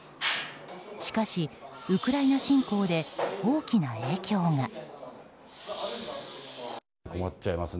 しかし、ウクライナ侵攻で大きな影響が。